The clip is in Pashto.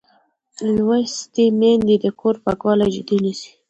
لوستې میندې د کور پاکوالی جدي نیسي.